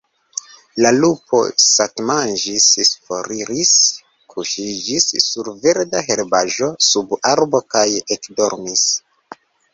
La lupo satmanĝis, foriris, kuŝiĝis sur verda herbaĵo sub arbo kaj ekdormis.